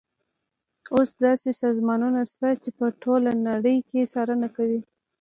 اوس داسې سازمانونه شته چې په ټوله نړۍ کې څارنه کوي.